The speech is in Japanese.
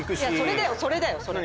それだよそれだよ！